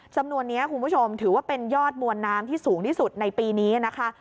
จำนวนนี้คุณผู้ชมถือว่าเป็นยอดมวลน้ำที่สูงที่สุดในปีนี้นะคะ